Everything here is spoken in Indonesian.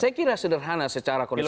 saya kira sederhana secara konstitusional